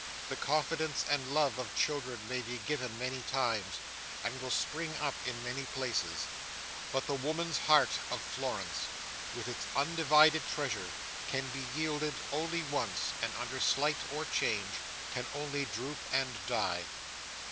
The confidence and love of children may be given many times, and will spring up in many places; but the woman's heart of Florence, with its undivided treasure, can be yielded only once, and under slight or change, can only droop and die.